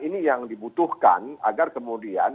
ini yang dibutuhkan agar kemudian